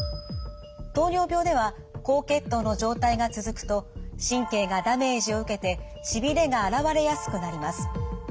糖尿病では高血糖の状態が続くと神経がダメージを受けてしびれが現れやすくなります。